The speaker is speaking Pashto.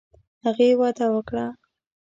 هغې وعده وکړه.